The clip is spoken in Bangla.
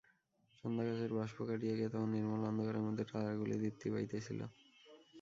সন্ধ্যাকাশের বাষ্প কাটিয়া গিয়া তখন নির্মল অন্ধকারের মধ্যে তারাগুলি দীপ্তি পাইতেছিল।